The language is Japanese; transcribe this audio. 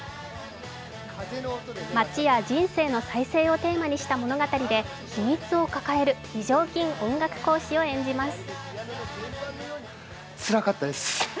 町や人生の再生をテーマにした物語で秘密を抱える非常勤音楽講師を演じます。